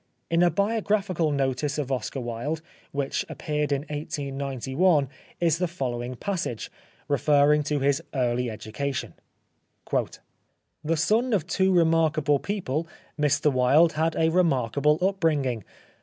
In a biographical notice of Oscar Wilde, which appeared in 1891, is the following passage, refer ring to his early education. " The son of two remarkable people, Mr Wilde had a remarkable upbringing.